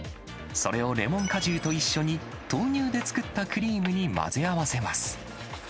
それをレモン果汁と一緒に豆乳で作ったクリームに混ぜ合わせます。